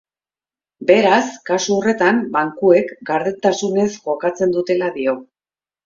Beraz, kasu horretan bankuek gardentasunez jokatzen dutela dio.